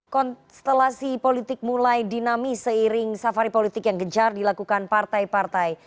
konstelasi politik mulai dinamis seiring safari politik yang gencar dilakukan partai partai